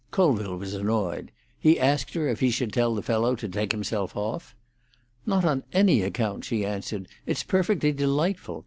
Colville was annoyed. He asked her if he should tell the fellow to take himself off. "Not on any account!" she answered. "It's perfectly delightful.